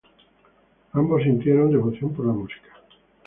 Ambos sintieron devoción por la música.